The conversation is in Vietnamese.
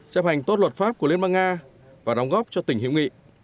chấp hành tốt luật pháp của liên bang nga và đóng góp cho tỉnh hiệu nghị